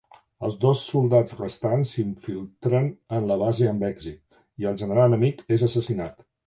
Els dos soldats restants s'infiltren en la base amb èxit, i el general enemic és assassinat.